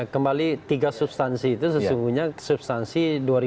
kembali tiga substansi itu sesungguhnya substansi dua ribu dua puluh